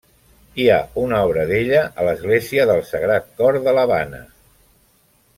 Hi ha una obra d’ella a l’església del Sagrat Cor de l’Havana.